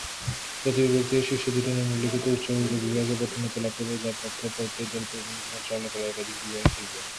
প্রতিটি বিভাগ থেকে শীর্ষ দুইটি নিম্নলিখিত, উচ্চতর বিভাগে পদোন্নতি লাভ করবে, যার অর্থ কয়েকটি দল টুর্নামেন্ট চলাকালীন একাধিক বিভাগে খেলবে।